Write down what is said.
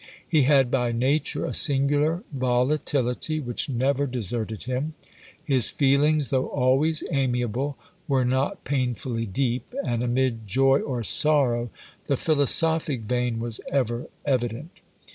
He had by nature a singular volatility which never deserted him. His feelings, though always amiable, were not painfully deep, and amid joy or sorrow, the philosophic vein was ever evident.